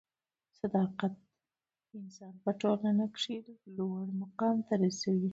صدافت انسان په ټولنه کښي لوړ مقام ته رسوي.